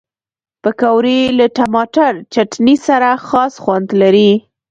پکورې له ټماټر چټني سره خاص خوند لري